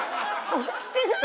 押してないよ！